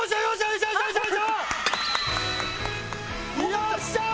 よっしゃー！